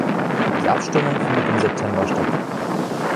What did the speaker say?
Die Abstimmung findet im September statt.